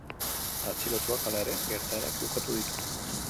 Atxilotuak, hala ere, gertaerak ukatu ditu.